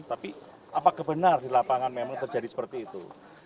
tapi apakah benar di lapangan memang terjadi seperti itu